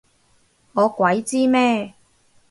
我鬼知咩？